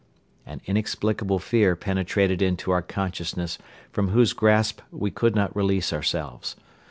An inexplicable fear penetrated into our consciousness from whose grasp we could not release ourselves.